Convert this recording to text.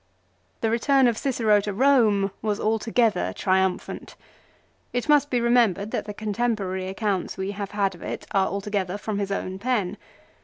The return of Cicero to Eome was altogether triumphant. It must be remembered that the contemporary accounts we have had of it are altogether from his own pen.